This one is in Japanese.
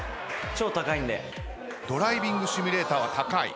ドライビングシミュレーターは高い？